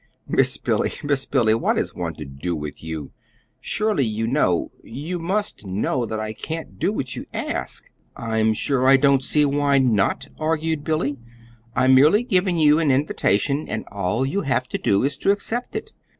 "Miss Billy, Miss Billy, what is one to do with you? Surely you know you must know that I can't do what you ask!" "I'm sure I don't see why not," argued Billy. "I'm merely giving you an invitation and all you have to do is to accept it."